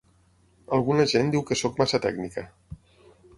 Alguna gent diu que sóc massa tècnica.